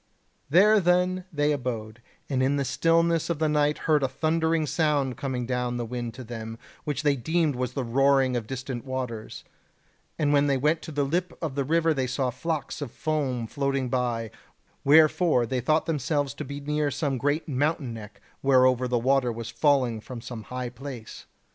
There then they abode, and in the stillness of the night heard a thundering sound coming down the wind to them, which they deemed was the roaring of distant waters; and when they went to the lip of the river they saw flocks of foam floating by, wherefore they thought themselves to be near some great mountain neck whereover the water was falling from some high place.